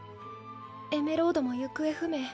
エメロードも行方不明。